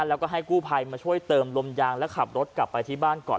แล้วก็ให้กู้ภัยมาช่วยเติมลมยางแล้วขับรถกลับไปที่บ้านก่อน